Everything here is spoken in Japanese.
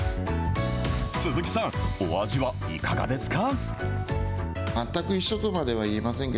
鈴木さん、お味はいかがですか？